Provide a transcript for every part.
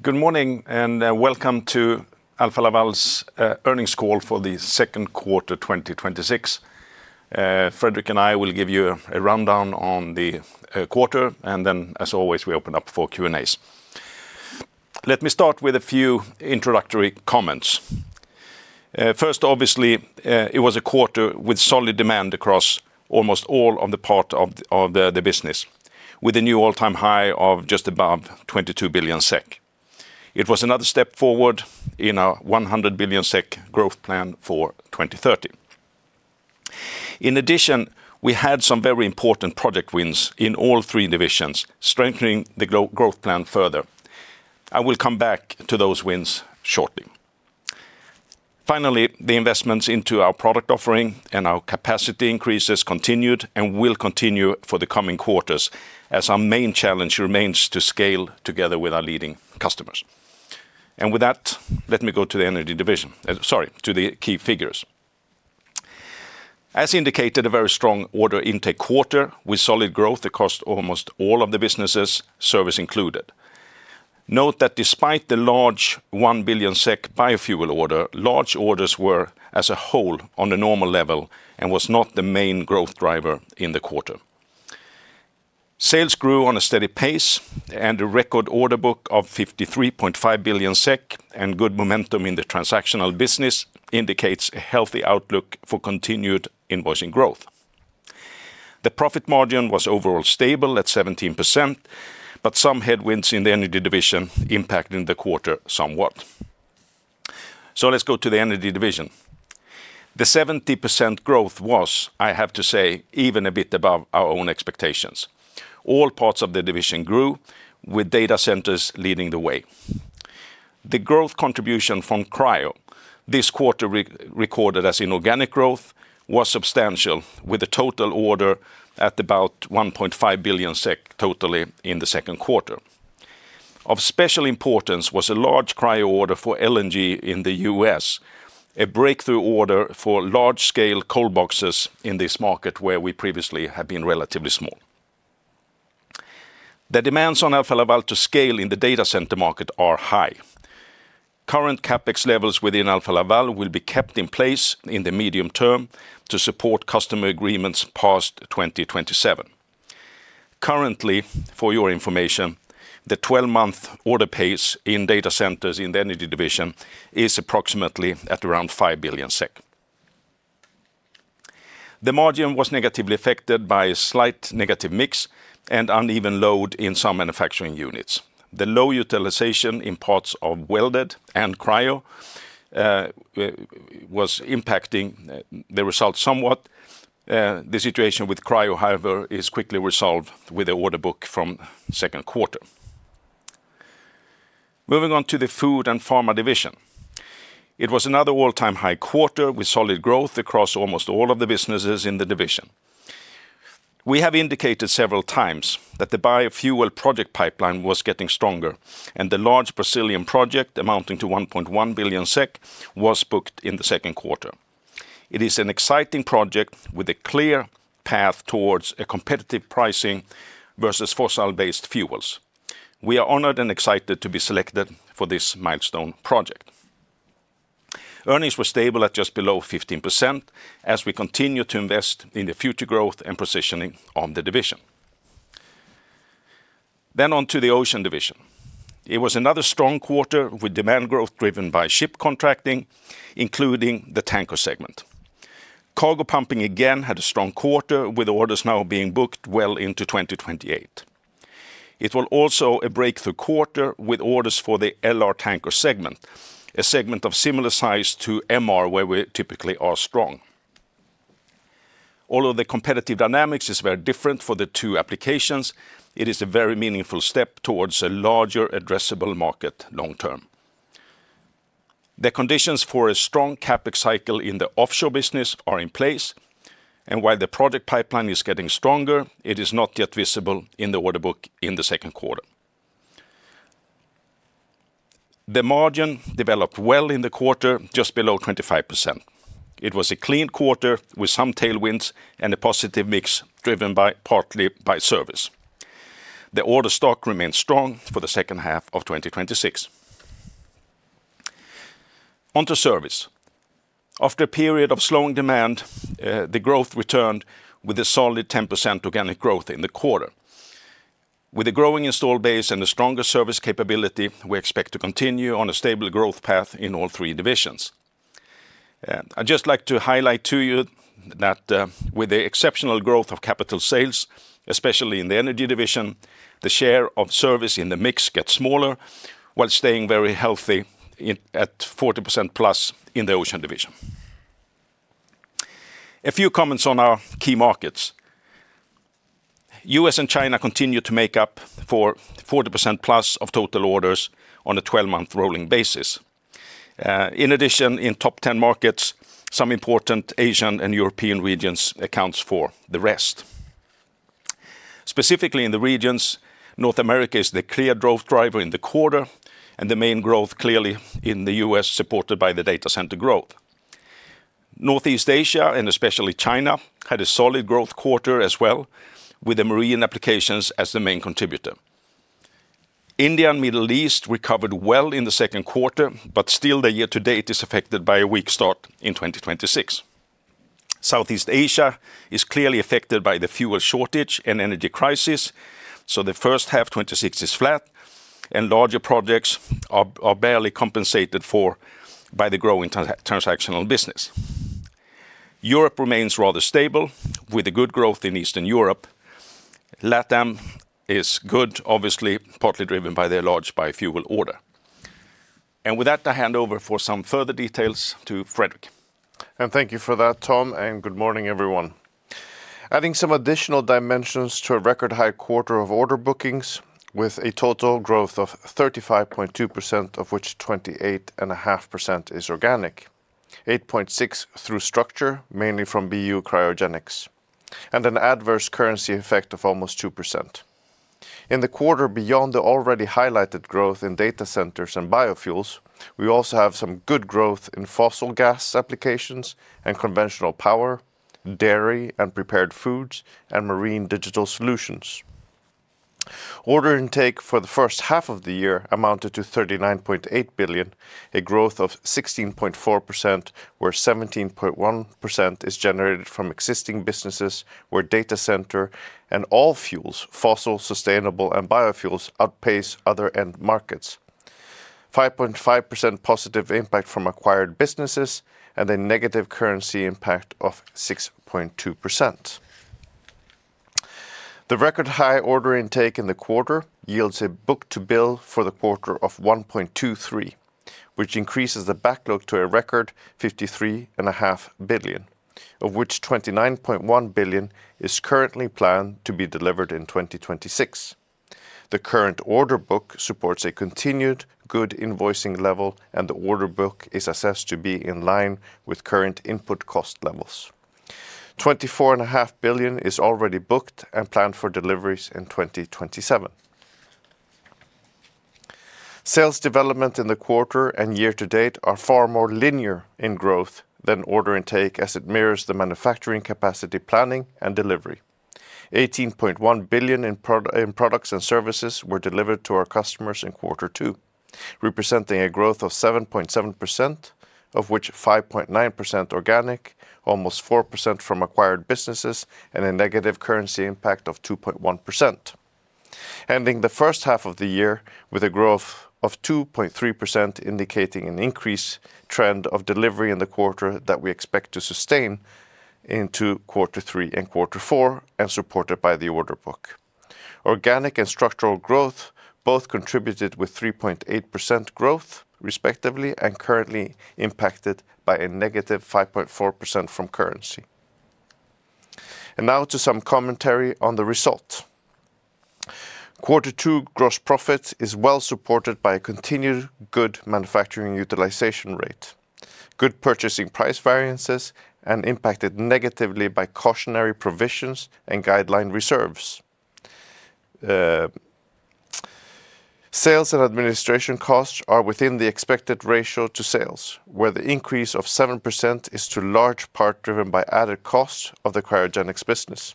Good morning. Welcome to Alfa Laval's earnings call for the second quarter 2026. Fredrik and I will give you a rundown on the quarter. As always, we open up for Q&As. Let me start with a few introductory comments. First, obviously, it was a quarter with solid demand across almost all of the part of the business, with a new all-time high of just above 22 billion SEK. It was another step forward in our 100 billion SEK growth plan for 2030. In addition, we had some very important project wins in all three divisions, strengthening the growth plan further. I will come back to those wins shortly. Finally, the investments into our product offering and our capacity increases continued and will continue for the coming quarters, as our main challenge remains to scale together with our leading customers. With that, let me go to the Energy Division. Sorry, to the key figures. As indicated, a very strong order intake quarter with solid growth across almost all of the businesses, Service included. Note that despite the large 1 billion SEK biofuel order, large orders were, as a whole, on a normal level, was not the main growth driver in the quarter. Sales grew on a steady pace. A record order book of 53.5 billion SEK and good momentum in the transactional business indicates a healthy outlook for continued invoicing growth. The profit margin was overall stable at 17%. Some headwinds in the Energy Division impacted the quarter somewhat. Let's go to the Energy Division. The 70% growth was, I have to say, even a bit above our own expectations. All parts of the division grew, with data centers leading the way. The growth contribution from Cryo this quarter, recorded as inorganic growth, was substantial, with a total order at about 1.5 billion SEK totally in the second quarter. Of special importance was a large Cryo order for LNG in the U.S., a breakthrough order for large-scale cold boxes in this market where we previously had been relatively small. The demands on Alfa Laval to scale in the data center market are high. Current CapEx levels within Alfa Laval will be kept in place in the medium term to support customer agreements past 2027. Currently, for your information, the 12-month order pace in data centers in the Energy Division is approximately at around 5 billion SEK. The margin was negatively affected by a slight negative mix and uneven load in some manufacturing units. The low utilization in parts of Welded and Cryo was impacting the results somewhat. The situation with Cryo, however, is quickly resolved with the order book from second quarter. Moving on to the Food & Pharma Division. It was another all-time high quarter, with solid growth across almost all of the businesses in the division. We have indicated several times that the biofuel project pipeline was getting stronger. The large Brazilian project, amounting to 1.1 billion SEK, was booked in the second quarter. It is an exciting project with a clear path towards a competitive pricing versus fossil-based fuels. We are honored and excited to be selected for this milestone project. Earnings were stable at just below 15% as we continue to invest in the future growth and positioning of the division. On to the Ocean Division. It was another strong quarter, with demand growth driven by ship contracting, including the tanker segment. Cargo pumping again had a strong quarter, with orders now being booked well into 2028. It was also a breakthrough quarter with orders for the LR tanker segment, a segment of similar size to MR, where we typically are strong. Although the competitive dynamics is very different for the two applications, it is a very meaningful step towards a larger addressable market long term. The conditions for a strong CapEx cycle in the offshore business are in place, and while the project pipeline is getting stronger, it is not yet visible in the order book in the second quarter. The margin developed well in the quarter, just below 25%. It was a clean quarter with some tailwinds and a positive mix driven partly by Service. The order stock remains strong for the second half of 2026. On to Service. After a period of slowing demand, the growth returned with a solid 10% organic growth in the quarter. With a growing install base and a stronger Service capability, we expect to continue on a stable growth path in all three divisions. I'd just like to highlight to you that with the exceptional growth of capital sales, especially in the Energy Division, the share of Service in the mix gets smaller, while staying very healthy at 40%+ in the Ocean Division. A few comments on our key markets. U.S. and China continue to make up for 40%+ of total orders on a 12-month rolling basis. In addition, in top 10 markets, some important Asian and European regions accounts for the rest. Specifically, in the regions, North America is the clear growth driver in the quarter, and the main growth clearly in the U.S., supported by the data center growth. Northeast Asia, and especially China, had a solid growth quarter as well, with the marine applications as the main contributor. India and Middle East recovered well in the second quarter, but still the year-to-date is affected by a weak start in 2026. Southeast Asia is clearly affected by the fuel shortage and energy crisis, so the first half 2026 is flat, and larger projects are barely compensated for by the growing transactional business. Europe remains rather stable with a good growth in Eastern Europe. LatAm is good, obviously partly driven by their large bio-fuel order. With that, I hand over for some further details to Fredrik. Thank you for that, Tom, and good morning, everyone. Adding some additional dimensions to a record high quarter of order bookings with a total growth of 35.2%, of which 28.5% is organic, 8.6% through structure, mainly from BU Cryogenics, and an adverse currency effect of almost 2%. In the quarter, beyond the already highlighted growth in data centers and biofuels, we also have some good growth in fossil gas applications and conventional power, dairy and prepared foods, and marine digital solutions. Order intake for the first half of the year amounted to 39.8 billion, a growth of 16.4%, where 17.1% is generated from existing businesses, where data center and all fuels, fossil, sustainable, and biofuels outpace other end markets. 5.5% positive impact from acquired businesses and a negative currency impact of 6.2%. The record high order intake in the quarter yields a book-to-bill for the quarter of 1.23, which increases the backlog to a record 53.5 billion, of which 29.1 billion is currently planned to be delivered in 2026. The current order book supports a continued good invoicing level, and the order book is assessed to be in line with current input cost levels. 24.5 billion is already booked and planned for deliveries in 2027. Sales development in the quarter and year-to-date are far more linear in growth than order intake as it mirrors the manufacturing capacity planning and delivery. 18.1 billion in products and services were delivered to our customers in quarter two, representing a growth of 7.7%, of which 5.9% organic, almost 4% from acquired businesses, and a negative currency impact of 2.1%. Ending the first half of the year with a growth of 2.3%, indicating an increase trend of delivery in the quarter that we expect to sustain into quarter three and quarter four as supported by the order book. Organic and structural growth both contributed with 3.8% growth respectively, and currently impacted by -5.4% from currency. Now to some commentary on the result. Quarter two gross profit is well supported by a continued good manufacturing utilization rate, good purchasing price variances, and impacted negatively by cautionary provisions and guideline reserves. Sales and administration costs are within the expected ratio to sales, where the increase of 7% is to large part driven by added costs of the Cryogenics business.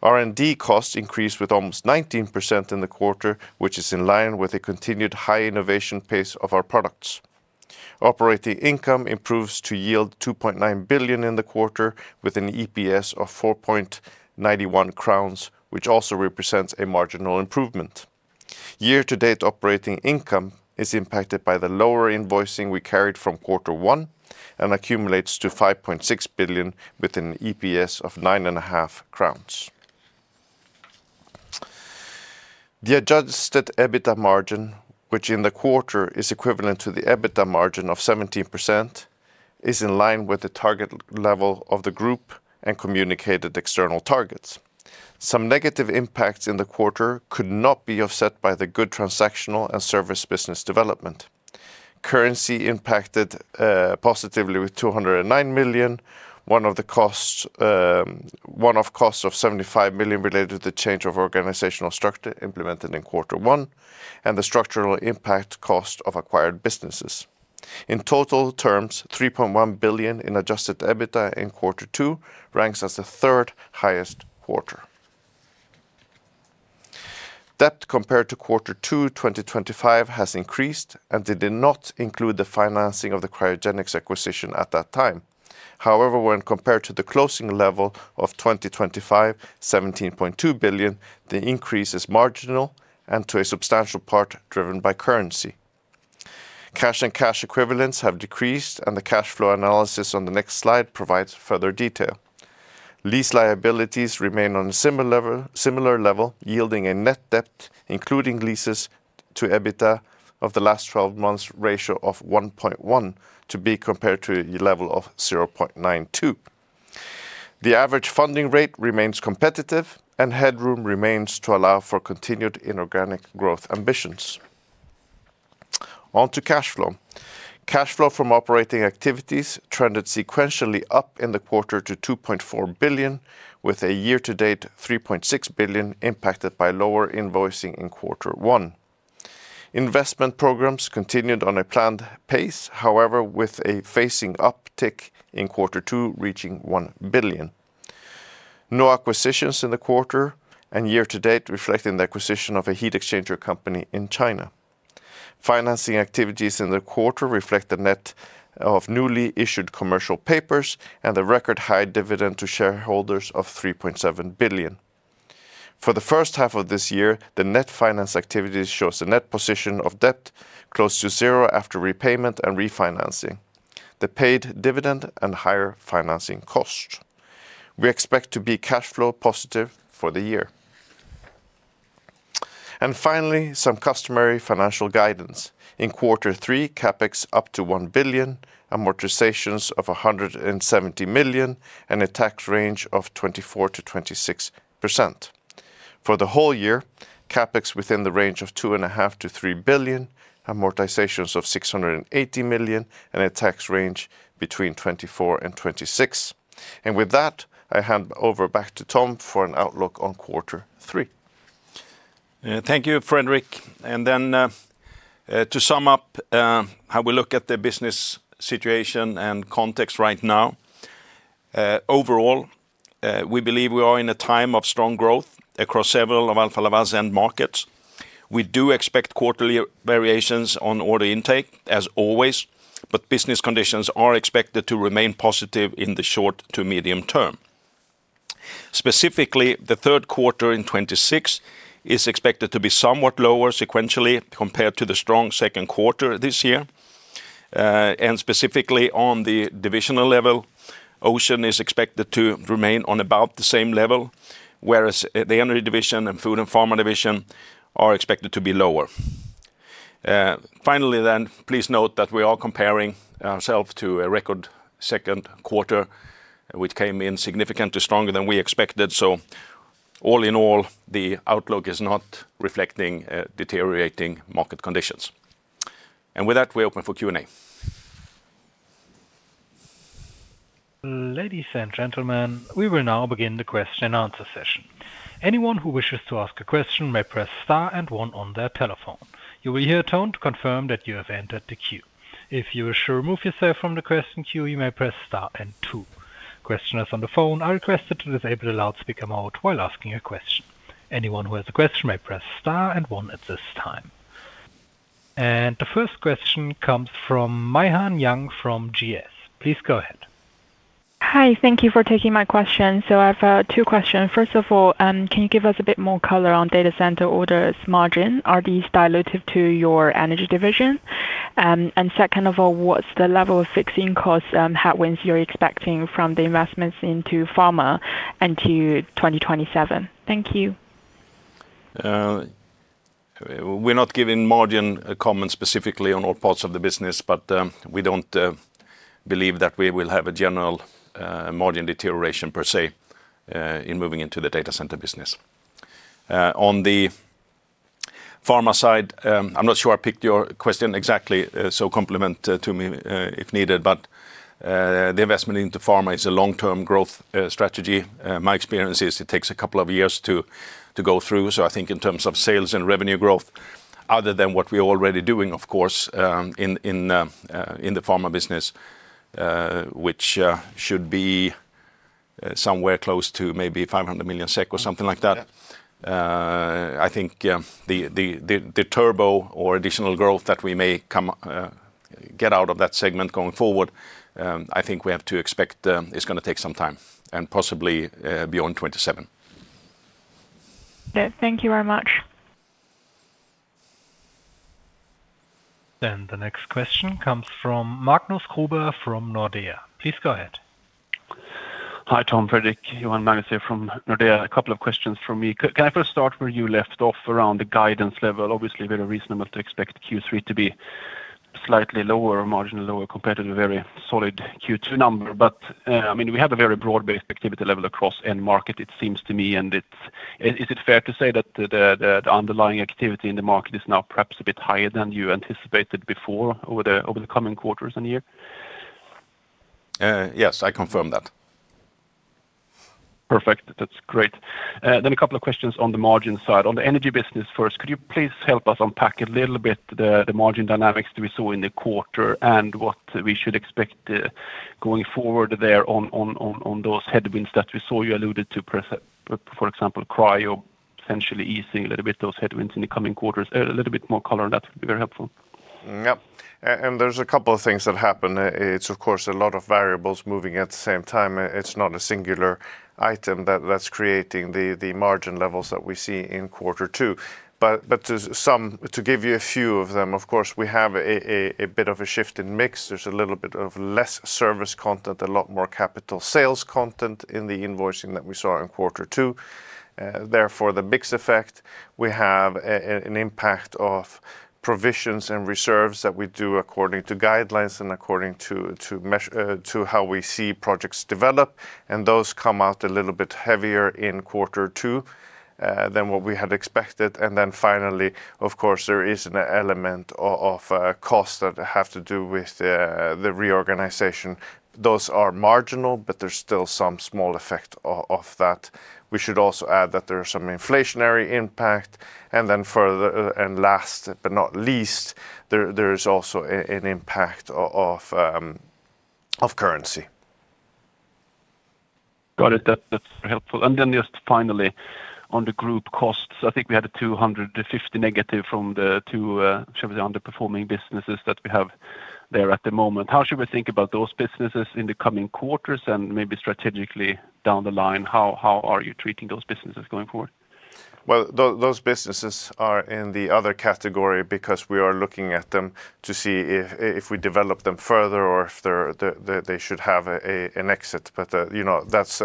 R&D costs increased with almost 19% in the quarter, which is in line with a continued high innovation pace of our products. Operating income improves to yield 2.9 billion in the quarter, with an EPS of 4.91 crowns, which also represents a marginal improvement. Year-to-date operating income is impacted by the lower invoicing we carried from quarter one and accumulates to 5.6 billion, with an EPS of 9.5 crowns. The adjusted EBITDA margin, which in the quarter is equivalent to the EBITDA margin of 17%, is in line with the target level of the group and communicated external targets. Some negative impacts in the quarter could not be offset by the good transactional and service business development. Currency impacted positively with 209 million, one-off costs of 75 million related to the change of organizational structure implemented in quarter one, and the structural impact cost of acquired businesses. In total terms, 3.1 billion in adjusted EBITDA in quarter two ranks as the third highest quarter. Debt compared to quarter two 2025 has increased, and they did not include the financing of the cryogenics acquisition at that time. However, when compared to the closing level of 2025, 17.2 billion, the increase is marginal and to a substantial part driven by currency. Cash and cash equivalents have decreased, and the cash flow analysis on the next slide provides further detail. Lease liabilities remain on a similar level, yielding a net debt, including leases to EBITDA of the last 12 months ratio of 1.1 to be compared to a level of 0.92. The average funding rate remains competitive, and headroom remains to allow for continued inorganic growth ambitions. On to cash flow. Cash flow from operating activities trended sequentially up in the quarter to 2.4 billion, with a year-to-date 3.6 billion impacted by lower invoicing in quarter one. Investment programs continued on a planned pace, however, with a facing uptick in quarter two reaching 1 billion. No acquisitions in the quarter and year-to-date, reflecting the acquisition of a heat exchanger company in China. Financing activities in the quarter reflect the net of newly issued commercial papers and the record high dividend to shareholders of 3.7 billion. For the first half of this year, the net finance activities shows a net position of debt close to zero after repayment and refinancing, the paid dividend, and higher financing cost. We expect to be cash flow positive for the year. Finally, some customary financial guidance. In quarter three, CapEx up to 1 billion, amortizations of 170 million, and a tax range of 24%-26%. For the whole year, CapEx within the range of 2.5 billion-3 billion, amortizations of 680 million, and a tax range between 24% and 26%. With that, I hand over back to Tom for an outlook on quarter three. Thank you, Fredrik. Then, to sum up how we look at the business situation and context right now. Overall, we believe we are in a time of strong growth across several of Alfa Laval's end markets. We do expect quarterly variations on order intake, as always, but business conditions are expected to remain positive in the short to medium term. Specifically, the third quarter in 2026 is expected to be somewhat lower sequentially, compared to the strong second quarter this year. Specifically on the divisional level, Ocean is expected to remain on about the same level, whereas the Energy Division and Food & Pharma division are expected to be lower. Finally, please note that we are comparing ourself to a record second quarter, which came in significantly stronger than we expected. All in all, the outlook is not reflecting deteriorating market conditions. With that, we open for Q&A. Ladies and gentlemen, we will now begin the question-and-answer session. Anyone who wishes to ask a question may press star and one on their telephone. You will hear a tone to confirm that you have entered the queue. If you wish to remove yourself from the question queue, you may press star and two. Questioners on the phone are requested to disable the loudspeaker mode while asking a question. Anyone who has a question may press star and one at this time. The first question comes from Meihan Yang from GS. Please go ahead. Hi. Thank you for taking my question. I have two questions. First of all, can you give us a bit more color on data center orders margin? Are these dilutive to your Energy Division? Second of all, what's the level of fixed costs and headwinds you're expecting from the investments into pharma into 2027? Thank you. We're not giving margin comment specifically on all parts of the business, we don't believe that we will have a general margin deterioration per se, in moving into the data center business. On the pharma side, I'm not sure I picked your question exactly, complement to me, if needed. The investment into pharma is a long-term growth strategy. My experience is, it takes a couple of years to go through. I think in terms of sales and revenue growth, other than what we're already doing, of course, in the pharma business, which should be somewhere close to maybe 500 million SEK or something like that. Yeah. I think the turbo or additional growth that we may get out of that segment going forward, I think we have to expect it's going to take some time, and possibly beyond 2027. Yeah. Thank you very much. The next question comes from Magnus Kruber from Nordea. Please go ahead. Hi, Tom, Fredrik. You have Magnus here from Nordea. A couple of questions from me. Can I first start where you left off around the guidance level? Obviously, very reasonable to expect Q3 to be slightly lower, marginally lower, compared to the very solid Q2 number. We have a very broad-based activity level across end market, it seems to me. Is it fair to say that the underlying activity in the market is now perhaps a bit higher than you anticipated before over the coming quarters and year? Yes. I confirm that. Perfect. That's great. A couple of questions on the margin side. On the Energy Division, first, could you please help us unpack a little bit the margin dynamics that we saw in the quarter and what we should expect going forward there on those headwinds that we saw you alluded to, for example, Cryo essentially easing a little bit those headwinds in the coming quarters. A little bit more color on that would be very helpful. Yep. There's a couple of things that happen. It's, of course, a lot of variables moving at the same time. It's not a singular item that's creating the margin levels that we see in quarter two. To give you a few of them, of course, we have a bit of a shift in mix. There's a little bit of less service content, a lot more capital sales content in the invoicing that we saw in quarter two. Therefore, the mix effect, we have an impact of provisions and reserves that we do according to guidelines and according to how we see projects develop. Those come out a little bit heavier in quarter two than what we had expected. Finally, of course, there is an element of cost that have to do with the reorganization. Those are marginal, but there's still some small effect of that. We should also add that there's some inflationary impact. Last but not least, there is also an impact of currency. Got it. That's helpful. Just finally, on the group costs, I think we had a -250 from the two, should we say, underperforming businesses that we have there at the moment. How should we think about those businesses in the coming quarters and maybe strategically down the line? How are you treating those businesses going forward? Well, those businesses are in the other category because we are looking at them to see if we develop them further or if they should have an exit. That's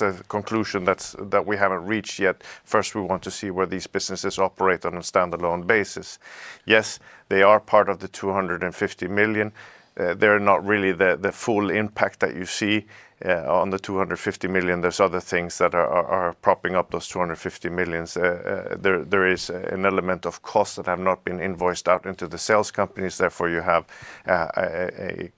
a conclusion that we haven't reached yet. First, we want to see where these businesses operate on a standalone basis. Yes, they are part of the 250 million. They're not really the full impact that you see on the 250 million. There's other things that are propping up those 250 million. There is an element of costs that have not been invoiced out into the sales companies, therefore you have a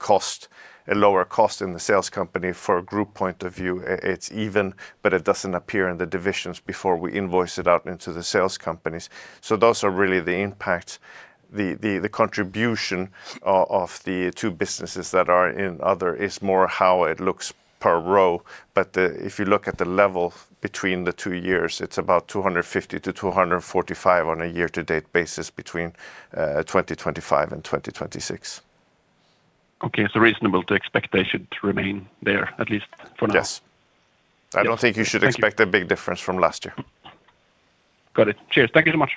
lower cost in the sales company. For a group point of view, it's even, it doesn't appear in the divisions before we invoice it out into the sales companies. Those are really the impact. The contribution of the two businesses that are in other is more how it looks per row. If you look at the level between the two years, it's about 250-245 on a year-to-date basis between 2025 and 2026. Okay. Reasonable to expect they should remain there, at least for now. Yes. Yes. Thank you. I don't think you should expect a big difference from last year. Got it. Cheers. Thank you so much.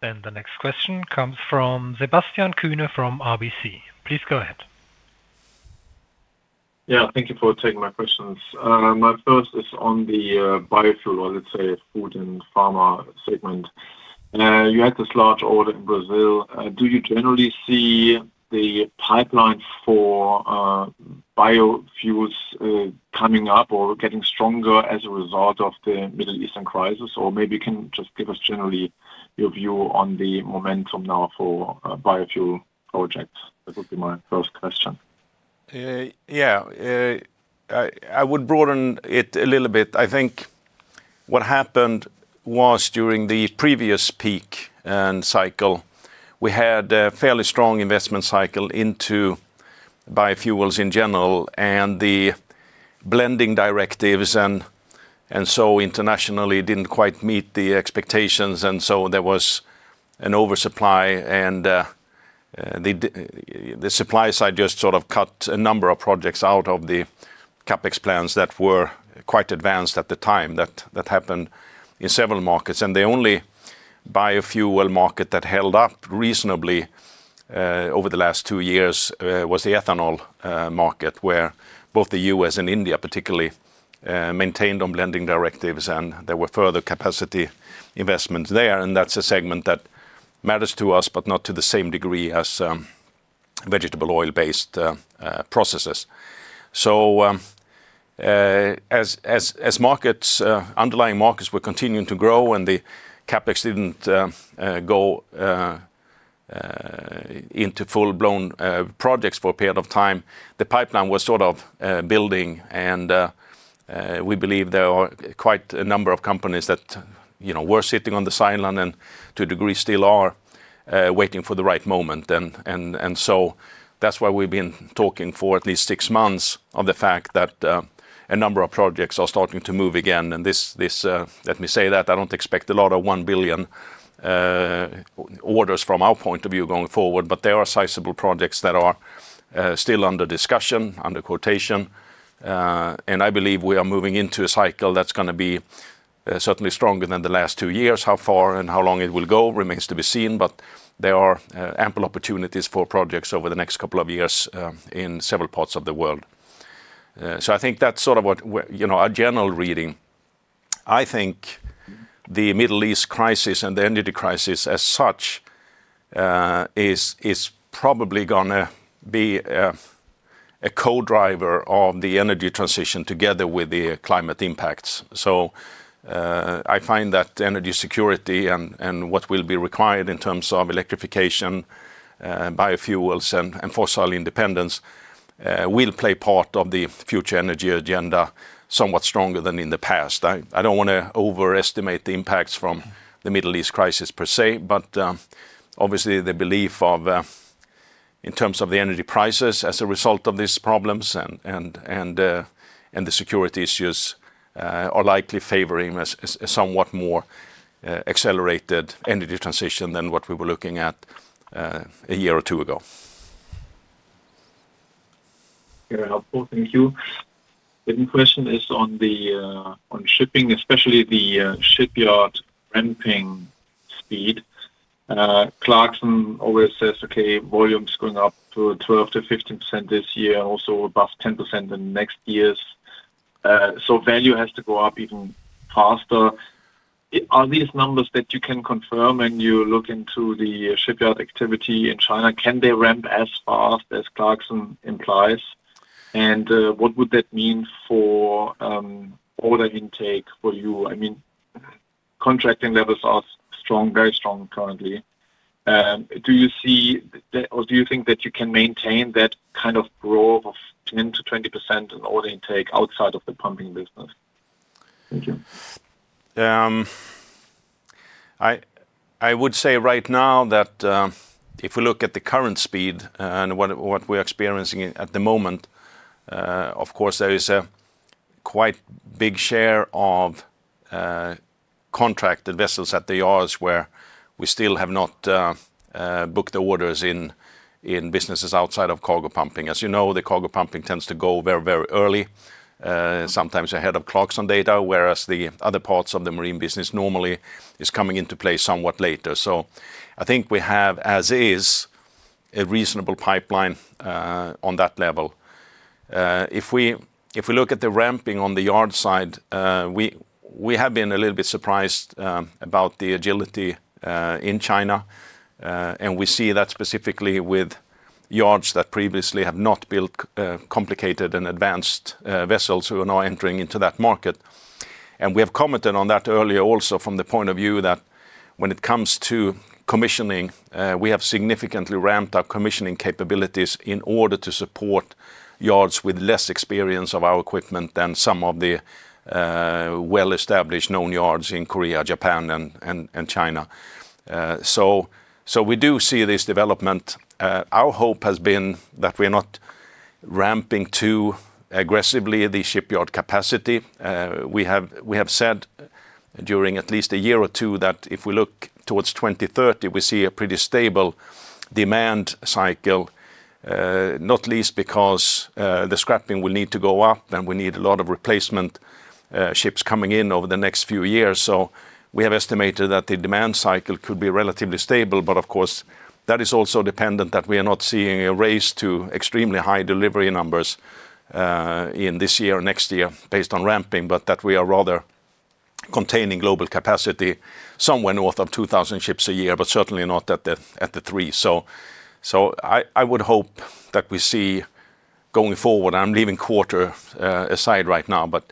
The next question comes from Sebastian Kuenne from RBC. Please go ahead. Thank you for taking my questions. My first is on the biofuel, let's say, Food & Pharma division. You had this large order in Brazil. Do you generally see the pipeline for biofuels coming up or getting stronger as a result of the Middle Eastern crisis? Or maybe you can just give us generally your view on the momentum now for biofuel projects. That would be my first question. Yeah. I would broaden it a little bit. I think what happened was during the previous peak and cycle, we had a fairly strong investment cycle into biofuels in general, and the blending directives, internationally, it didn't quite meet the expectations, there was an oversupply. The supply side just sort of cut a number of projects out of the CapEx plans that were quite advanced at the time. That happened in several markets. The only biofuel market that held up reasonably over the last two years, was the ethanol market, where both the U.S. and India particularly, maintained on blending directives, and there were further capacity investments there, and that's a segment that matters to us, but not to the same degree as vegetable oil-based processes. As underlying markets were continuing to grow and the CapEx didn't go into full-blown projects for a period of time, the pipeline was sort of building, we believe there are quite a number of companies that were sitting on the sideline and to a degree still are, waiting for the right moment. That's why we've been talking for at least six months of the fact that a number of projects are starting to move again. Let me say that I don't expect a lot of 1 billion orders from our point of view going forward. There are sizable projects that are still under discussion, under quotation. I believe we are moving into a cycle that's going to be certainly stronger than the last two years. How far and how long it will go remains to be seen, there are ample opportunities for projects over the next couple of years in several parts of the world. I think that's sort of our general reading. I think the Middle East crisis and the energy crisis as such, is probably going to be a co-driver of the energy transition together with the climate impacts. I find that energy security and what will be required in terms of electrification, biofuels, and fossil independence, will play part of the future energy agenda somewhat stronger than in the past. I don't want to overestimate the impacts from the Middle East crisis per se, obviously the belief of, in terms of the energy prices as a result of these problems and the security issues, are likely favoring a somewhat more accelerated energy transition than what we were looking at a year or two ago. Very helpful. Thank you. The other question is on shipping, especially the shipyard ramping speed. Clarksons always says, okay, volume's going up to 12%-15% this year, also above 10% in next year's. Value has to go up even faster. Are these numbers that you can confirm when you look into the shipyard activity in China? Can they ramp as fast as Clarksons implies? What would that mean for order intake for you? Contracting levels are very strong currently. Do you think that you can maintain that kind of growth of 10%-20% in order intake outside of the pumping business? Thank you. I would say right now that if we look at the current speed and what we're experiencing at the moment, of course, there is a quite big share of contracted vessels at the yards where we still have not booked orders in businesses outside of cargo pumping. As you know, the cargo pumping tends to go very early, sometimes ahead of Clarksons data, whereas the other parts of the marine business normally is coming into play somewhat later. I think we have, as is, a reasonable pipeline on that level. If we look at the ramping on the yard side, we have been a little bit surprised about the agility in China. We see that specifically with yards that previously have not built complicated and advanced vessels who are now entering into that market. We have commented on that earlier also from the point of view that when it comes to commissioning, we have significantly ramped our commissioning capabilities in order to support yards with less experience of our equipment than some of the well-established known yards in Korea, Japan, and China. We do see this development. Our hope has been that we are not ramping too aggressively the shipyard capacity. We have said during at least a year or two that if we look towards 2030, we see a pretty stable demand cycle, not least because the scrapping will need to go up and we need a lot of replacement ships coming in over the next few years. We have estimated that the demand cycle could be relatively stable, but of course, that is also dependent that we are not seeing a raise to extremely high delivery numbers in this year or next year based on ramping, but that we are rather containing global capacity somewhere north of 2,000 ships a year, but certainly not at the three. I would hope that we see going forward, I'm leaving quarter aside right now, but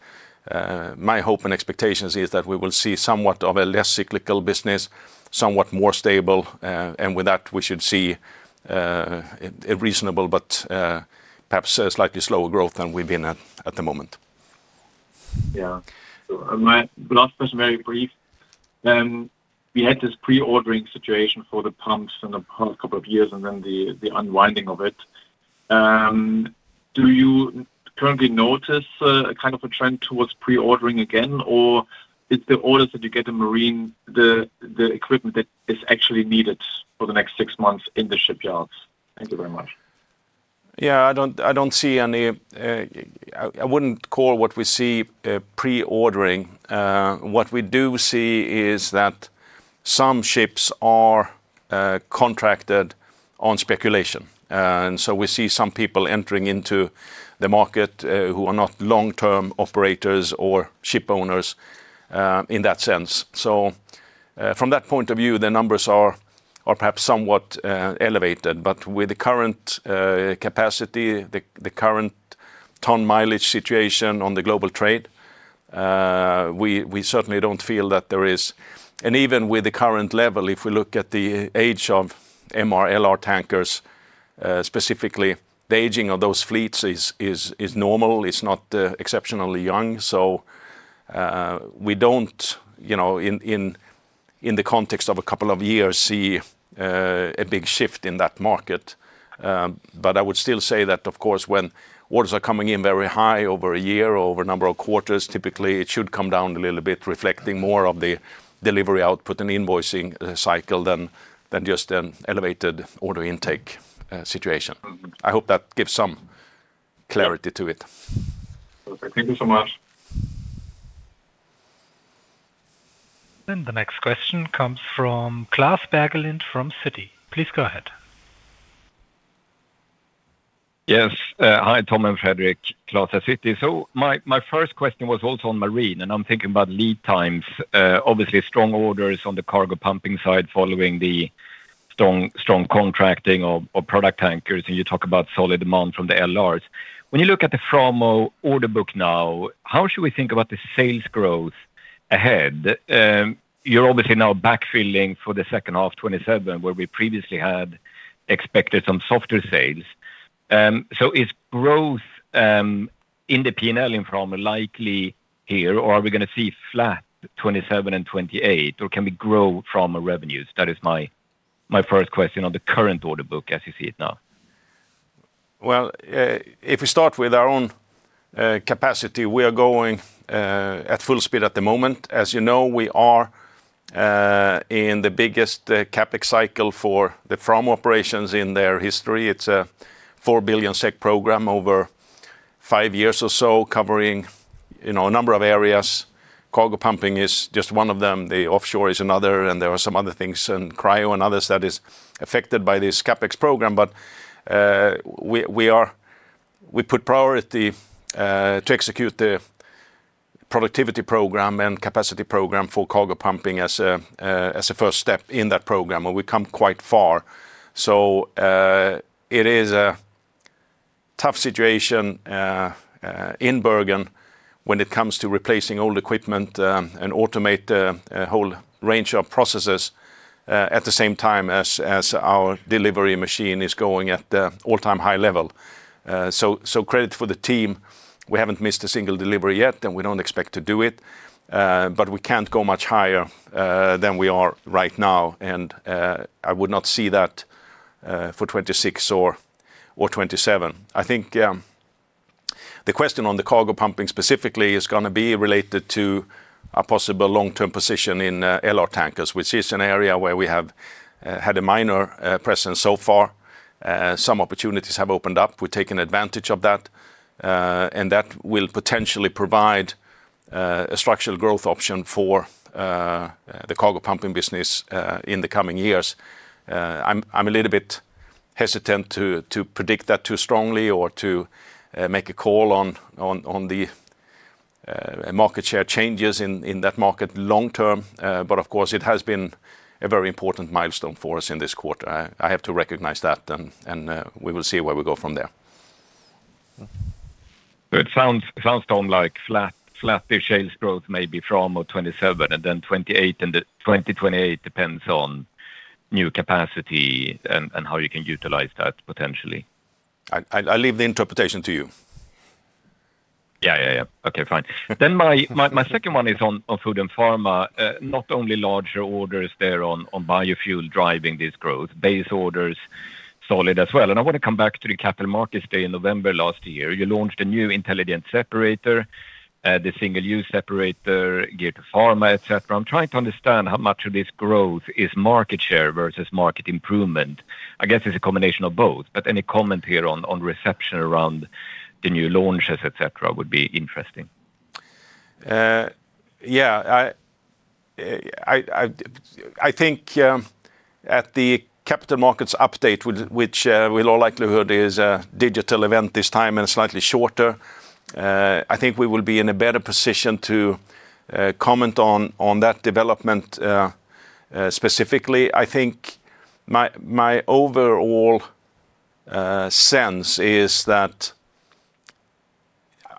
my hope and expectations is that we will see somewhat of a less cyclical business, somewhat more stable. With that, we should see a reasonable but perhaps a slightly slower growth than we've been at the moment. Yeah. My last question, very brief. We had this pre-ordering situation for the pumps in the past couple of years, and then the unwinding of it. Do you currently notice a kind of a trend towards pre-ordering again, or it's the orders that you get the marine, the equipment that is actually needed for the next six months in the shipyards? Thank you very much. Yeah, I wouldn't call what we see pre-ordering. What we do see is that some ships are contracted on speculation. We see some people entering into the market who are not long-term operators or ship owners in that sense. From that point of view, the numbers are perhaps somewhat elevated, but with the current capacity, the current ton mileage situation on the global trade, we certainly don't feel that there is- Even with the current level, if we look at the age of MR, LR tankers, specifically, the aging of those fleets is normal. It's not exceptionally young. We don't, in the context of a couple of years, see a big shift in that market. I would still say that, of course, when orders are coming in very high over a year or over a number of quarters, typically, it should come down a little bit, reflecting more of the delivery output and invoicing cycle than just an elevated order intake situation. I hope that gives some clarity to it. Perfect. Thank you so much. The next question comes from Klas Bergelind from Citi. Please go ahead. Yes. Hi, Tom and Fredrik. Klas at Citi. My first question was also on marine, and I'm thinking about lead times. Obviously, strong orders on the cargo pumping side following the strong contracting of product tankers, and you talk about solid demand from the LRs. When you look at the Framo order book now, how should we think about the sales growth ahead? You're obviously now backfilling for the second half 2027, where we previously had expected some softer sales. Is growth in the P&L in Framo likely here, or are we going to see flat 2027 and 2028, or can we grow Framo revenues? That is my first question on the current order book as you see it now. Well, if we start with our own capacity, we are going at full speed at the moment. As you know, we are in the biggest CapEx cycle for the Framo operations in their history. It's a 4 billion SEK program over five years or so, covering a number of areas. Cargo pumping is just one of them. The offshore is another, and there are some other things, and Cryo and others that is affected by this CapEx program. We put priority to execute the productivity program and capacity program for cargo pumping as a first step in that program, and we've come quite far. It is a tough situation in Bergen when it comes to replacing old equipment and automate a whole range of processes at the same time as our delivery machine is going at the all-time high level. Credit for the team. We haven't missed a single delivery yet, we don't expect to do it. We can't go much higher than we are right now, and I would not see that for 2026 or 2027. I think the question on the cargo pumping specifically is going to be related to a possible long-term position in LR tankers, which is an area where we have had a minor presence so far. Some opportunities have opened up. We've taken advantage of that, and that will potentially provide a structural growth option for the cargo pumping business in the coming years. I'm a little bit hesitant to predict that too strongly or to make a call on the market share changes in that market long term. Of course, it has been a very important milestone for us in this quarter. I have to recognize that, we will see where we go from there. It sounds, Tom, like flattish sales growth maybe from 2027, and then 2028 depends on new capacity and how you can utilize that potentially. I'll leave the interpretation to you. Yeah. My second one is on Food & Pharma. Not only larger orders there on biofuel driving this growth, base orders solid as well. I want to come back to the capital markets day in November last year. You launched a new intelligent separator, the single-use separator geared to pharma, etc. I'm trying to understand how much of this growth is market share versus market improvement. I guess it's a combination of both. Any comment here on reception around the new launches, etc, would be interesting. Yeah. I think at the capital markets update, which with all likelihood is a digital event this time and slightly shorter, I think we will be in a better position to comment on that development specifically. I think my overall sense is that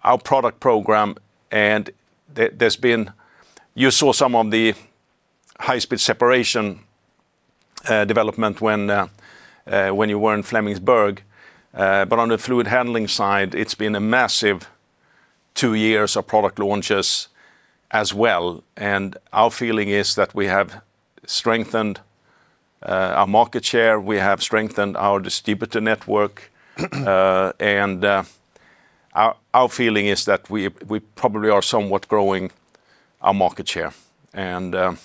our product program, you saw some on the high-speed separation development when you were in Flemingsberg. On the fluid handling side, it's been a massive two years of product launches as well, and our feeling is that we have strengthened our market share, we have strengthened our distributor network, and our feeling is that we probably are somewhat growing our market share. Yeah.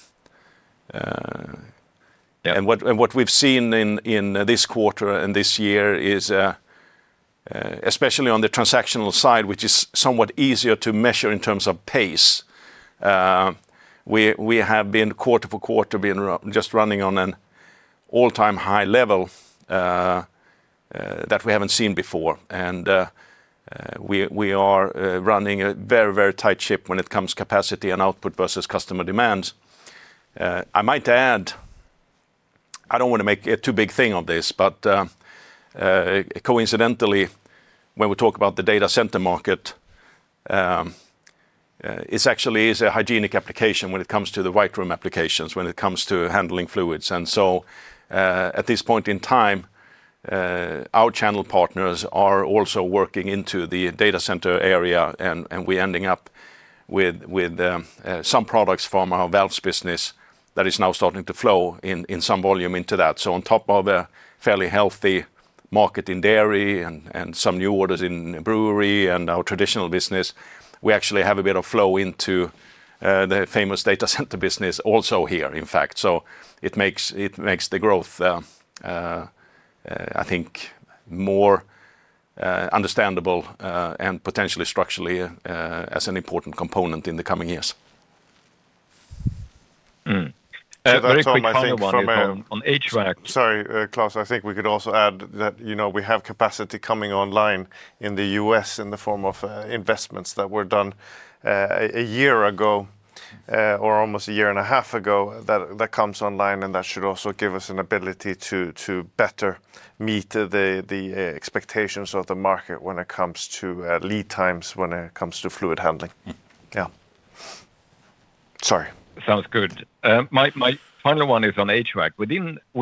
What we've seen in this quarter and this year is, especially on the transactional side, which is somewhat easier to measure in terms of pace, we have been quarter-for-quarter just running on an all-time high level that we haven't seen before. We are running a very tight ship when it comes capacity and output versus customer demand. I might add, I don't want to make a too big thing of this, coincidentally, when we talk about the data center market, it actually is a hygienic application when it comes to the white room applications, when it comes to handling fluids. At this point in time, our channel partners are also working into the data center area, and we're ending up with some products from our valves business that is now starting to flow in some volume into that. On top of a fairly healthy market in dairy and some new orders in brewery and our traditional business, we actually have a bit of flow into the famous data center business also here, in fact. It makes the growth, I think, more understandable, and potentially structurally, as an important component in the coming years. Very quick, final one here on HVAC. Sorry, Klas, I think we could also add that we have capacity coming online in the U.S. in the form of investments that were done a year ago, or almost a year and a half ago, that comes online, and that should also give us an ability to better meet the expectations of the market when it comes to lead times, when it comes to fluid handling. Yeah. Sorry. Sounds good. My final one is on HVAC.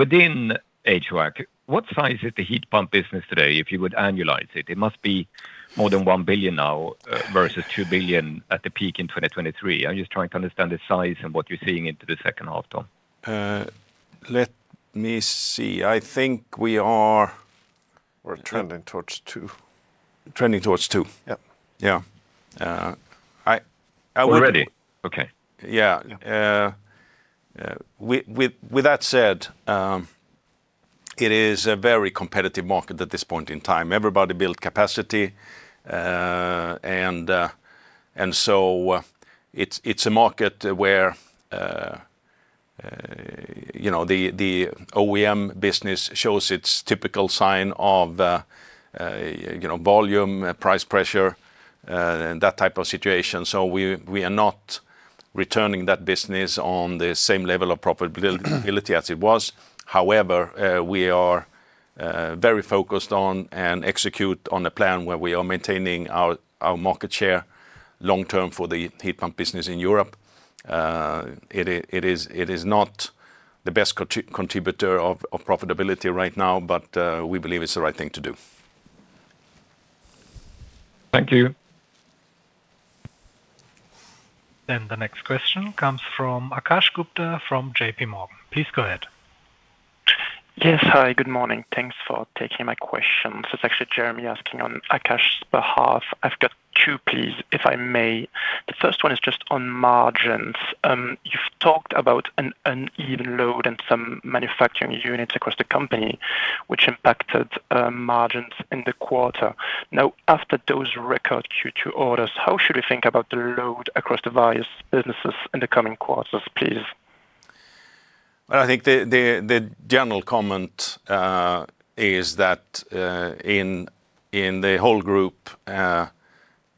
Within HVAC, what size is the heat pump business today, if you would annualize it? It must be more than 1 billion now versus 2 billion at the peak in 2023. I'm just trying to understand the size and what you're seeing into the second half, Tom. Let me see. I think we. We're trending towards 2 billion. Trending towards SEK 2 billion? Yep. Yeah. I- Already? Okay. Yeah. Yeah. With that said, it is a very competitive market at this point in time. Everybody built capacity, it's a market where the OEM business shows its typical sign of volume, price pressure. That type of situation. We are not returning that business on the same level of profitability as it was. However, we are very focused on, and execute on, a plan where we are maintaining our market share long-term for the heat pump business in Europe. It is not the best contributor of profitability right now, but we believe it's the right thing to do. Thank you. The next question comes from Akash Gupta from JPMorgan. Please go ahead. Yes. Hi, good morning. Thanks for taking my question. It's actually Jeremy asking on Akash's behalf. I've got two, please, if I may. The first one is just on margins. You've talked about an uneven load in some manufacturing units across the company, which impacted margins in the quarter. After those record Q2 orders, how should we think about the load across the various businesses in the coming quarters, please? Well, I think the general comment is that, in the whole group,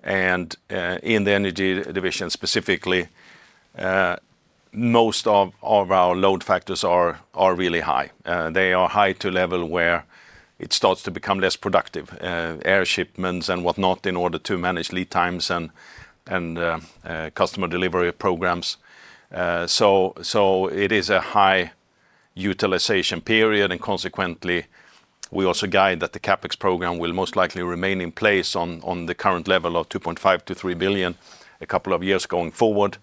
and in the Energy Division specifically, most of our load factors are really high. They are high to a level where it starts to become less productive, air shipments and whatnot, in order to manage lead times and customer delivery programs. It is a high utilization period, and consequently, we also guide that the CapEx program will most likely remain in place on the current level of 2.5 billion-3 billion a couple of years going forward.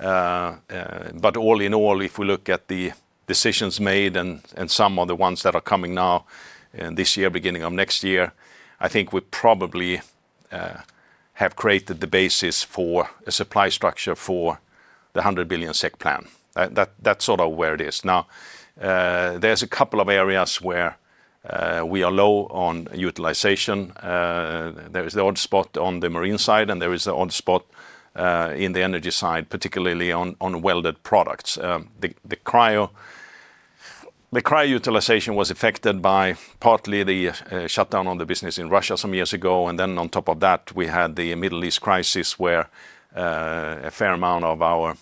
All in all, if we look at the decisions made and some of the ones that are coming now, this year, beginning of next year, I think we probably have created the basis for a supply structure for the 100 billion SEK plan. That's sort of where it is. There's a couple of areas where we are low on utilization. There is the odd spot on the Marine side, and there is the odd spot in the Energy side, particularly on welded products. The Cryo utilization was affected by, partly, the shutdown of the business in Russia some years ago. Then on top of that, we had the Middle East crisis, where a fair amount of our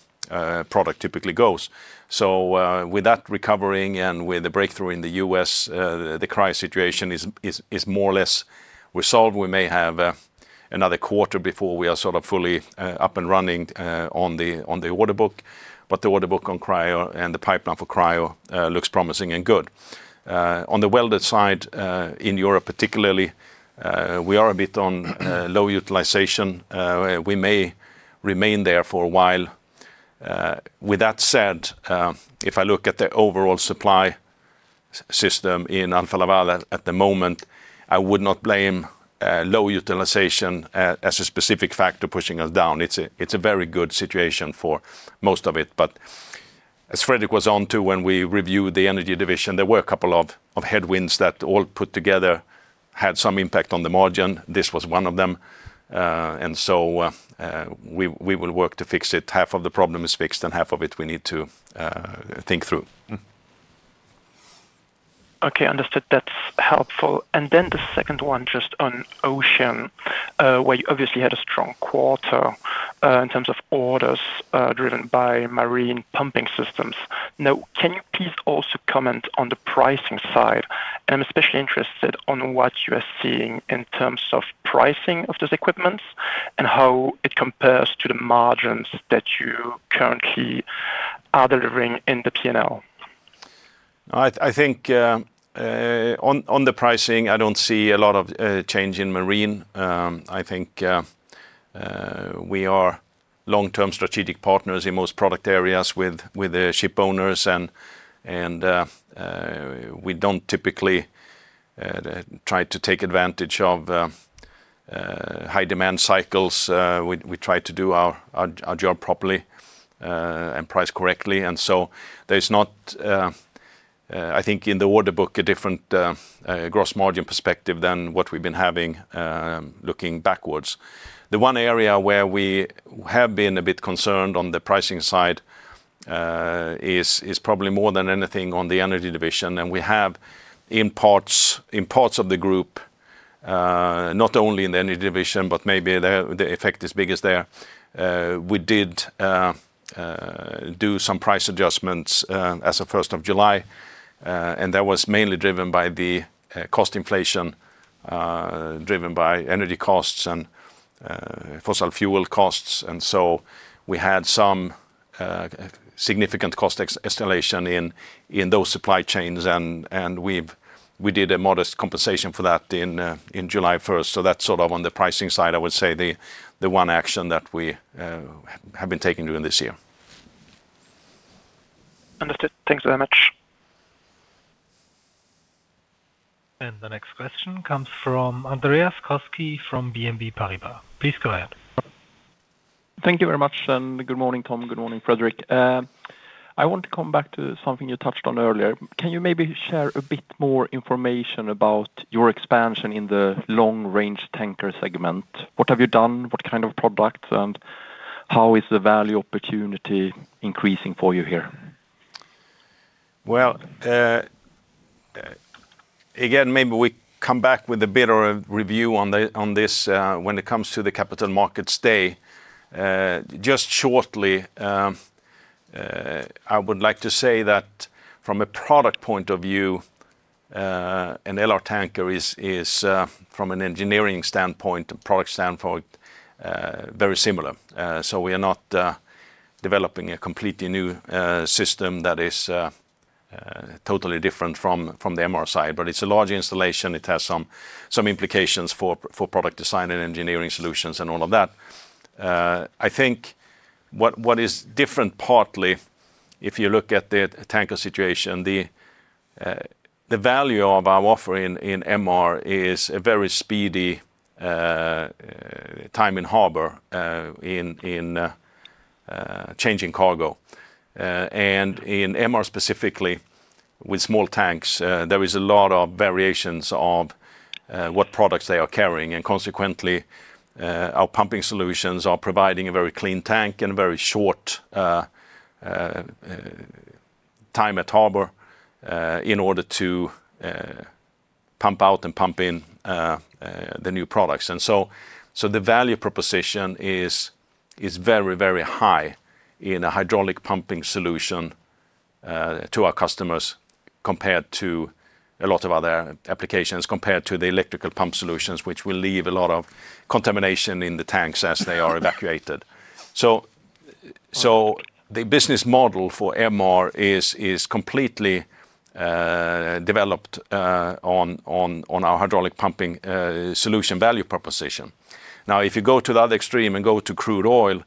product typically goes. With that recovering and with the breakthrough in the U.S., the Cryo situation is more or less resolved. We may have another quarter before we are sort of fully up and running on the order book, but the order book on Cryo and the pipeline for Cryo looks promising and good. On the welded side, in Europe particularly, we are a bit on low utilization. We may remain there for a while. With that said, if I look at the overall supply system in Alfa Laval at the moment, I would not blame low utilization as a specific factor pushing us down. It's a very good situation for most of it. As Fredrik was onto when we reviewed the Energy Division, there were a couple of headwinds that, all put together, had some impact on the margin. This was one of them. We will work to fix it. Half of the problem is fixed, and half of it, we need to think through. The second one, just on Ocean, where you obviously had a strong quarter in terms of orders driven by Marine pumping systems. Can you please also comment on the pricing side? I'm especially interested on what you are seeing in terms of pricing of those equipment and how it compares to the margins that you currently are delivering in the P&L. On the pricing, I don't see a lot of change in Marine. We are long-term strategic partners in most product areas with the ship owners, we don't typically try to take advantage of high demand cycles. We try to do our job properly, and price correctly. There's not in the order book a different gross margin perspective than what we've been having, looking backwards. The one area where we have been a bit concerned on the pricing side is probably more than anything on the Energy Division, and we have, in parts of the group, not only in the Energy Division, but maybe the effect is biggest there. We did do some price adjustments as of July 1st, and that was mainly driven by the cost inflation, driven by energy costs and fossil fuel costs. We had some significant cost escalation in those supply chains, we did a modest compensation for that in July 1st. That's sort of, on the pricing side, the one action that we have been taking during this year. Understood. Thanks very much. The next question comes from Andreas Koski from BNP Paribas. Please go ahead. Thank you very much, and good morning, Tom, good morning, Fredrik. I want to come back to something you touched on earlier. Can you maybe share a bit more information about your expansion in the long-range tanker segment? What have you done? What kind of products? How is the value opportunity increasing for you here? Well, again, maybe we come back with a bit of a review on this when it comes to the Capital Markets Day. Just shortly, I would like to say that from a product point of view, an LR tanker is, from an engineering standpoint, a product standpoint, very similar. We are not developing a completely new system that is totally different from the MR side. It's a large installation. It has some implications for product design and engineering solutions and all of that. I think what is different partly, if you look at the tanker situation, the value of our offering in MR is a very speedy time in harbor in changing cargo. In MR specifically, with small tanks, there is a lot of variations of what products they are carrying and consequently, our pumping solutions are providing a very clean tank and very short time at harbor, in order to pump out and pump in the new products. The value proposition is very high in a hydraulic pumping solution to our customers compared to a lot of other applications, compared to the electrical pump solutions, which will leave a lot of contamination in the tanks as they are evacuated. The business model for MR is completely developed on our hydraulic pumping solution value proposition. Now, if you go to the other extreme and go to crude oil,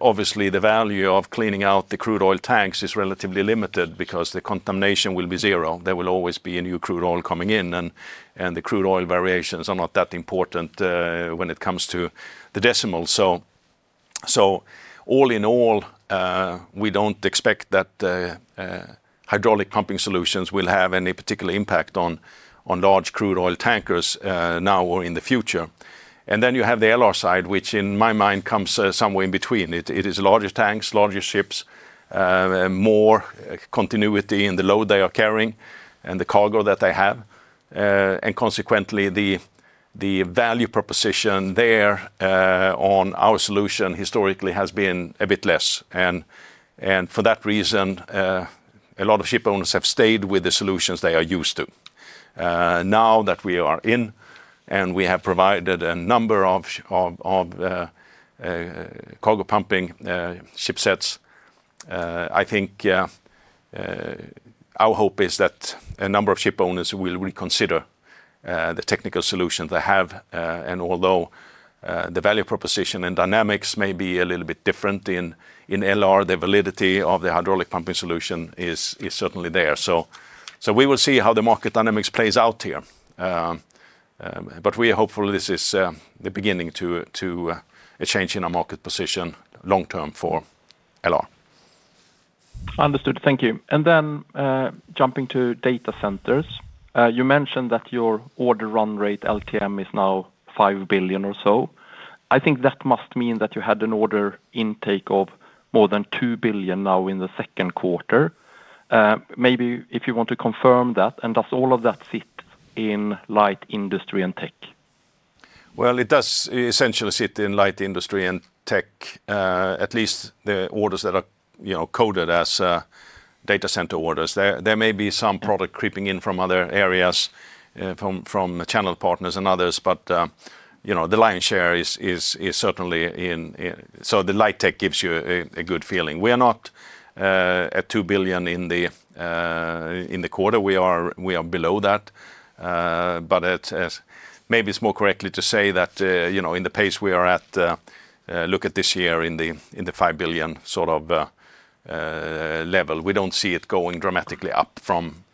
obviously the value of cleaning out the crude oil tanks is relatively limited because the contamination will be zero. There will always be a new crude oil coming in and the crude oil variations are not that important when it comes to the decimals. All in all, we don't expect that hydraulic pumping solutions will have any particular impact on large crude oil tankers, now or in the future. You have the LR side, which in my mind comes somewhere in between. It is larger tanks, larger ships, more continuity in the load they are carrying and the cargo that they have. Consequently, the value proposition there on our solution historically has been a bit less. For that reason, a lot of ship owners have stayed with the solutions they are used to. Now that we are in and we have provided a number of cargo pumping ship sets, our hope is that a number of ship owners will reconsider the technical solution they have. Although the value proposition and dynamics may be a little bit different in LR, the validity of the hydraulic pumping solution is certainly there. We will see how the market dynamics plays out here. We are hopeful this is the beginning to a change in our market position long-term for LR. Understood. Thank you. Jumping to data centers. You mentioned that your order run rate LTM is now 5 billion or so. I think that must mean that you had an order intake of more than 2 billion now in the second quarter. Maybe if you want to confirm that, does all of that fit in light industry and tech? It does essentially sit in light industry and tech, at least the orders that are coded as data center orders. There may be some product creeping in from other areas, from channel partners and others. The lion's share is certainly. The light tech gives you a good feeling. We are not at 2 billion in the quarter. We are below that. Maybe it's more correctly to say that, in the pace we are at, look at this year in the 5 billion sort of level. We don't see it going dramatically up from.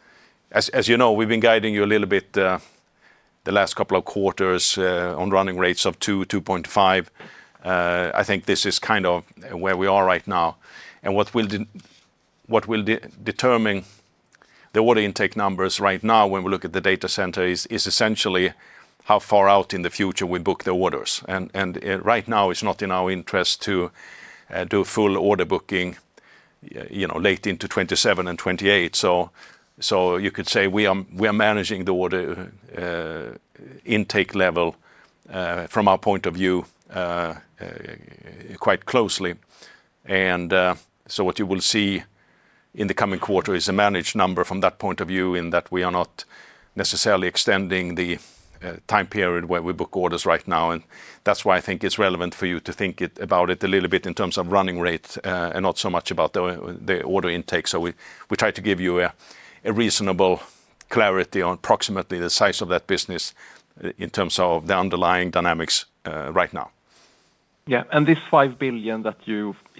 As you know, we've been guiding you a little bit the last couple of quarters on running rates of 2 billion, 2.5 billion. I think this is kind of where we are right now. What will determine the order intake numbers right now when we look at the data center is essentially how far out in the future we book the orders. Right now, it's not in our interest to do full order booking late into 2027 and 2028. You could say we are managing the order intake level from our point of view quite closely. What you will see in the coming quarter is a managed number from that point of view, in that we are not necessarily extending the time period where we book orders right now, and that's why I think it's relevant for you to think about it a little bit in terms of running rate, and not so much about the order intake. We try to give you a reasonable clarity on approximately the size of that business in terms of the underlying dynamics right now. This 5 billion that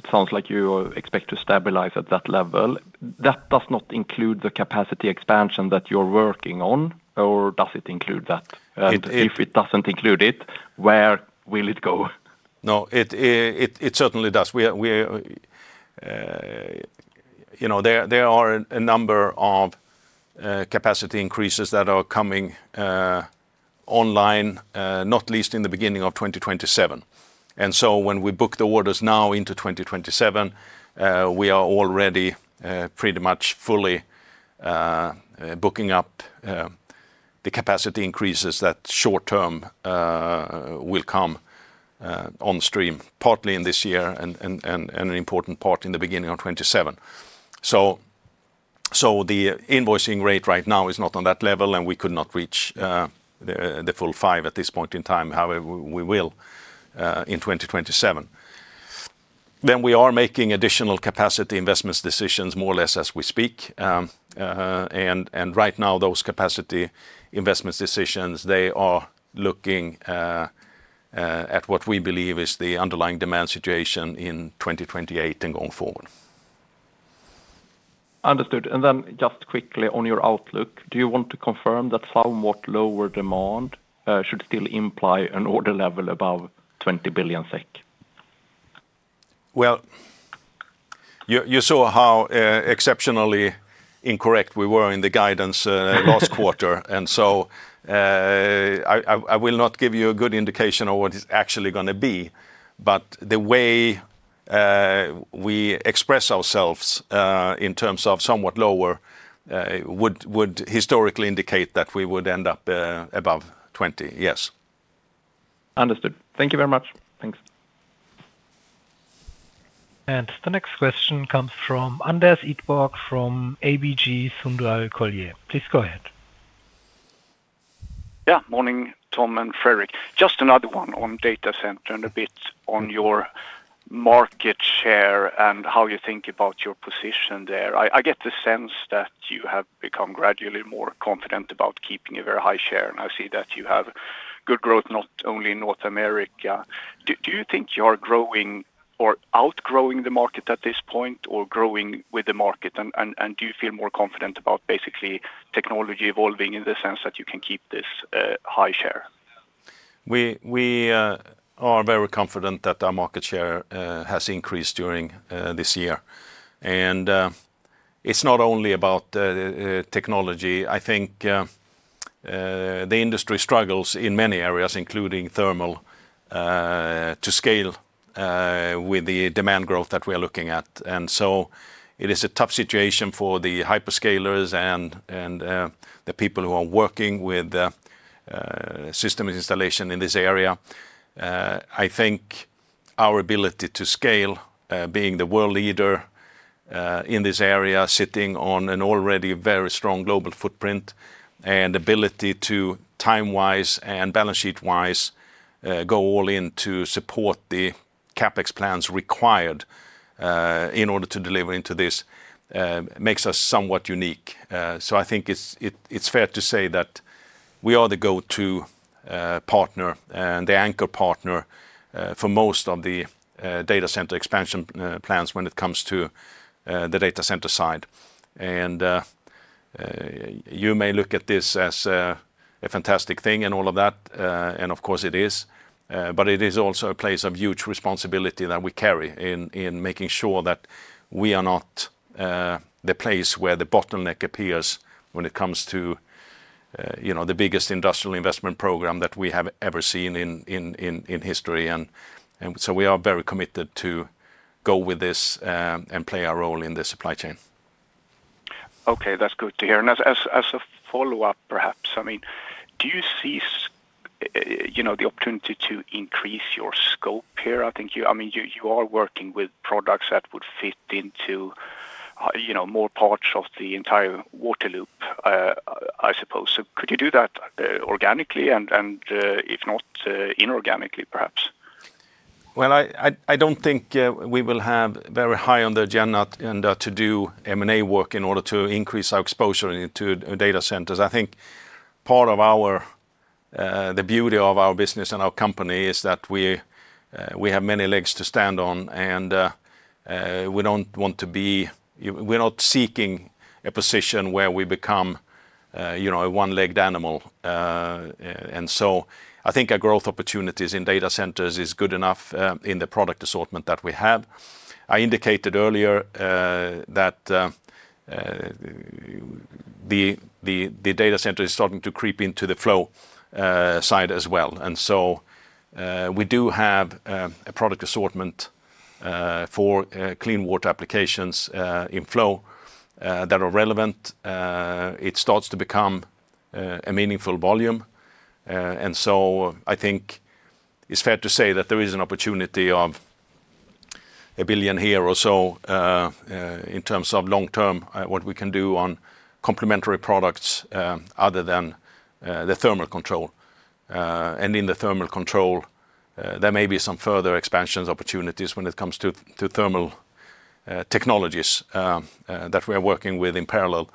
it sounds like you expect to stabilize at that level, that does not include the capacity expansion that you're working on, or does it include that? It- If it doesn't include it, where will it go? No, it certainly does. There are a number of capacity increases that are coming online, not least in the beginning of 2027. When we book the orders now into 2027, we are already pretty much fully booking up the capacity increases that short term will come on stream, partly in this year and an important part in the beginning of 2027. The invoicing rate right now is not on that level, and we could not reach the full five at this point in time. However, we will in 2027. We are making additional capacity investments decisions more or less as we speak. Right now those capacity investments decisions, they are looking at what we believe is the underlying demand situation in 2028 and going forward. Understood. Just quickly on your outlook, do you want to confirm that somewhat lower demand should still imply an order level above 20 billion SEK? Well, you saw how exceptionally incorrect we were in the guidance last quarter. I will not give you a good indication of what it's actually going to be. The way we express ourselves, in terms of somewhat lower, would historically indicate that we would end up above 20 billion. Yes. Understood. Thank you very much. Thanks. The next question comes from Anders Idborg from ABG Sundal Collier. Please go ahead. Yeah. Morning, Tom and Fredrik. Just another one on data center, and a bit on your market share and how you think about your position there. I get the sense that you have become gradually more confident about keeping a very high share, and I see that you have good growth, not only in North America. Do you think you're growing or outgrowing the market at this point, or growing with the market, and do you feel more confident about basically technology evolving in the sense that you can keep this high share? We are very confident that our market share has increased during this year. It's not only about technology. I think the industry struggles in many areas, including thermal, to scale with the demand growth that we're looking at. It is a tough situation for the hyperscalers and the people who are working with system installation in this area. I think our ability to scale, being the world leader in this area, sitting on an already very strong global footprint, and ability to time-wise and balance sheet-wise, go all in to support the CapEx plans required in order to deliver into this, makes us somewhat unique. I think it's fair to say that we are the go-to partner and the anchor partner for most of the data center expansion plans when it comes to the data center side. You may look at this as a fantastic thing and all of that, and of course it is, but it is also a place of huge responsibility that we carry in making sure that we are not the place where the bottleneck appears when it comes to the biggest industrial investment program that we have ever seen in history. We are very committed to go with this and play our role in the supply chain. Okay, that's good to hear. As a follow-up, perhaps, do you see the opportunity to increase your scope here? You are working with products that would fit into more parts of the entire water loop, I suppose. Could you do that organically and, if not, inorganically perhaps? Well, I don't think we will have very high on the agenda to do M&A work in order to increase our exposure into data centers. I think part of the beauty of our business and our company is that we have many legs to stand on, and we're not seeking a position where we become a one-legged animal. I think our growth opportunities in data centers is good enough in the product assortment that we have. I indicated earlier that the data center is starting to creep into the flow side as well. We do have a product assortment for clean water applications in flow that are relevant. It starts to become a meaningful volume. I think it's fair to say that there is an opportunity of 1 billion here or so, in terms of long-term, what we can do on complementary products other than the thermal control. In the thermal control, there may be some further expansions opportunities when it comes to thermal technologies that we are working with in parallel.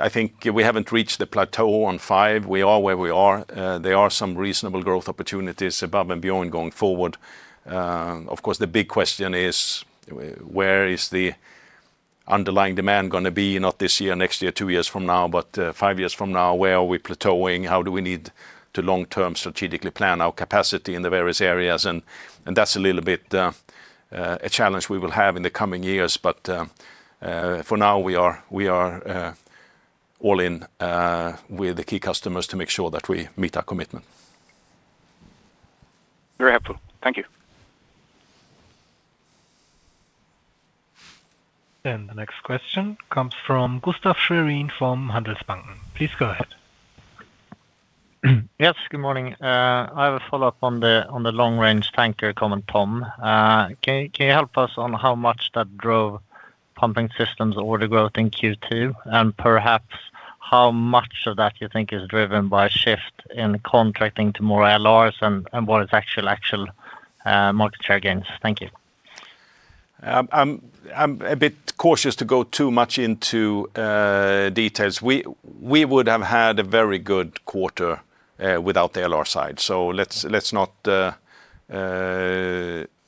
I think we haven't reached the plateau on five. We are where we are. There are some reasonable growth opportunities above and beyond going forward. Of course, the big question is, where is the underlying demand going to be, not this year, next year, two years from now, but five years from now? Where are we plateauing? How do we need to long-term strategically plan our capacity in the various areas? That's a little bit a challenge we will have in the coming years. For now, we are all in with the key customers to make sure that we meet our commitment. Very helpful. Thank you. The next question comes from Gustaf Schwerin from Handelsbanken. Please go ahead. Yes, good morning. I have a follow-up on the long-range tanker comment, Tom. Can you help us on how much that drove pumping systems order growth in Q2, and perhaps how much of that you think is driven by shift in contracting to more LRs and what is actual market share gains? Thank you. I'm a bit cautious to go too much into details. We would have had a very good quarter, without the LR side, let's not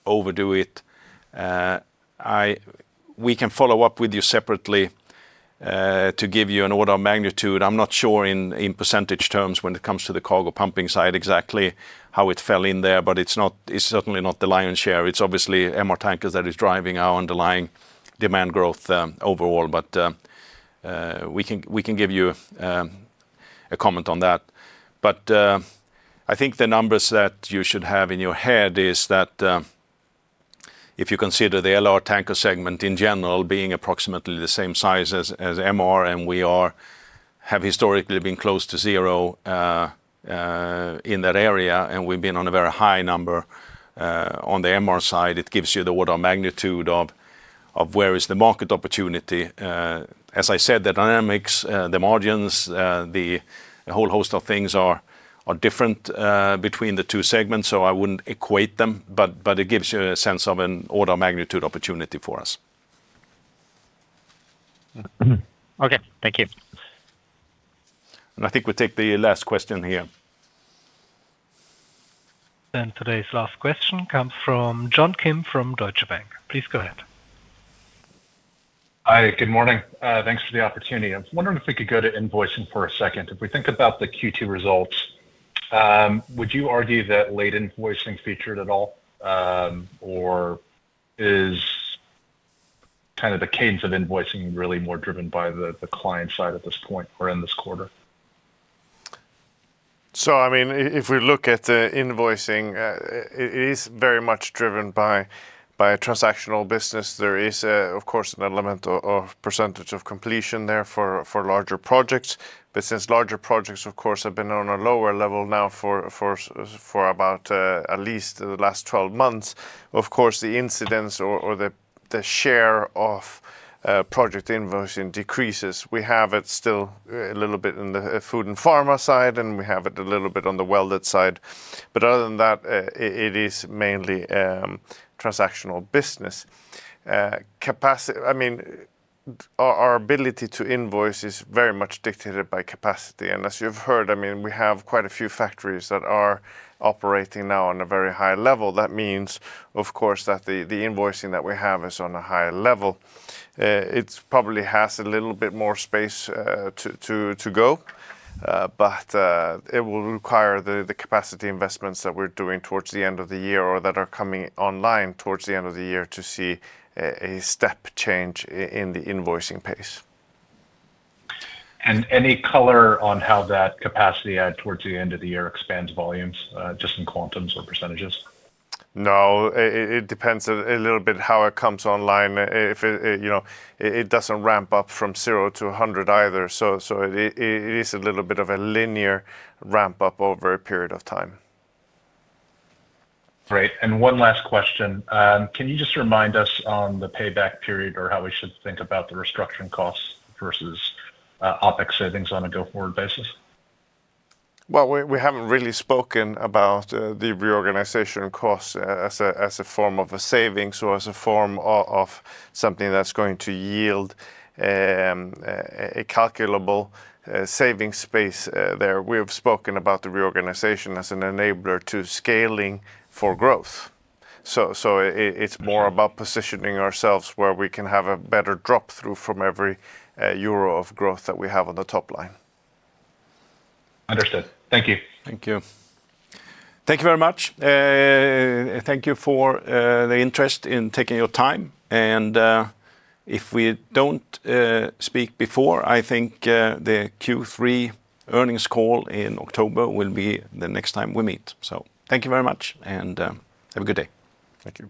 overdo it. We can follow up with you separately, to give you an order of magnitude. I'm not sure in percentage terms when it comes to the cargo pumping side exactly how it fell in there, but it's certainly not the lion's share. It's obviously MR tankers that is driving our underlying demand growth, overall, we can give you a comment on that. I think the numbers that you should have in your head is that, if you consider the LR tanker segment in general being approximately the same size as MR, we have historically been close to zero in that area, we've been on a very high number, on the MR side, it gives you the order of magnitude of where is the market opportunity. As I said, the dynamics, the margins, the whole host of things are different between the two segments, I wouldn't equate them, it gives you a sense of an order magnitude opportunity for us. Okay. Thank you. I think we'll take the last question here. Today's last question comes from John Kim from Deutsche Bank. Please go ahead. Hi, good morning. Thanks for the opportunity. I was wondering if we could go to invoicing for a second. If we think about the Q2 results, would you argue that late invoicing featured at all, or is the cadence of invoicing really more driven by the client side at this point or in this quarter? If we look at the invoicing, it is very much driven by a transactional business. There is, of course, an element of percentage of completion there for larger projects. Since larger projects, of course, have been on a lower level now for about at least the last 12 months, of course, the incidents or the share of project invoicing decreases. We have it still a little bit in the Food & Pharma side, and we have it a little bit on the welded side. Other than that, it is mainly transactional business. Our ability to invoice is very much dictated by capacity, and as you've heard, we have quite a few factories that are operating now on a very high level. That means, of course, that the invoicing that we have is on a higher level. It probably has a little bit more space to go, but it will require the capacity investments that we're doing towards the end of the year or that are coming online towards the end of the year to see a step change in the invoicing pace. Any color on how that capacity add towards the end of the year expands volumes, just in quantums or percentages? It depends a little bit how it comes online. It doesn't ramp up from zero to 100 either, so it is a little bit of a linear ramp-up over a period of time. One last question. Can you just remind us on the payback period or how we should think about the restructuring costs versus OpEx savings on a go-forward basis? We haven't really spoken about the reorganization costs as a form of a saving, as a form of something that's going to yield a calculable saving space there. We have spoken about the reorganization as an enabler to scaling for growth. It's more about positioning ourselves where we can have a better drop-through from every euro of growth that we have on the top line. Understood. Thank you. Thank you. Thank you very much. Thank you for the interest in taking your time. If we don't speak before, I think, the Q3 earnings call in October will be the next time we meet. Thank you very much and have a good day. Thank you.